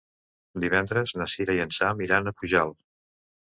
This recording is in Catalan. Divendres na Cira i en Sam iran a Pujalt.